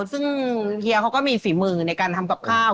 ซึ่งเฮียเขาก็มีฝีมือในการทำกับข้าว